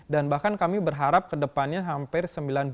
dan bahkan kami berharap kedepannya hampir sembilan puluh